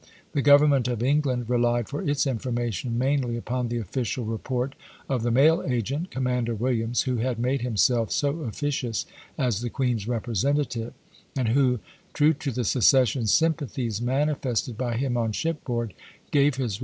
The Government of England relied for its information mainly upon the official report of the mail agent, Commander Williams, who had made himself so officious as the " Queen's representative," and who, true to the secession sympathies manifested by him on shipboard, gave his report a strong coloring of the same character.